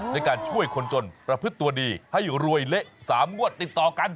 ในการช่วยคนจนประพฤติตัวดีให้รวยเละ๓งวดติดต่อกัน